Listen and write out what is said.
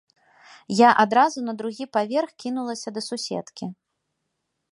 Я адразу на другі паверх кінулася да суседкі.